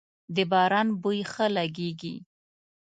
د باران بوی ښه لږیږی